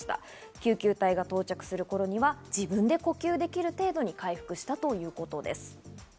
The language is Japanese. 救急隊が到着する頃には自分で呼吸できる程度に回復したということです。